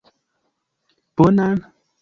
Bonan?